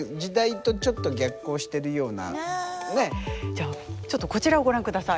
じゃあちょっとこちらをご覧ください。